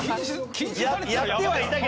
やってはいたけど。